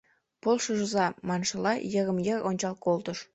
— «полшыза» маншыла, йырым-йыр ончал колтыш.